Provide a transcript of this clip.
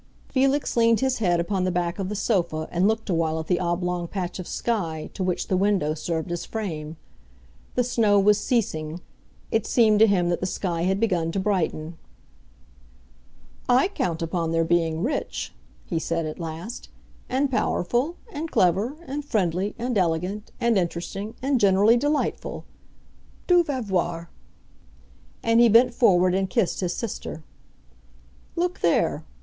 Felix leaned his head upon the back of the sofa and looked awhile at the oblong patch of sky to which the window served as frame. The snow was ceasing; it seemed to him that the sky had begun to brighten. "I count upon their being rich," he said at last, "and powerful, and clever, and friendly, and elegant, and interesting, and generally delightful! Tu vas voir." And he bent forward and kissed his sister. "Look there!"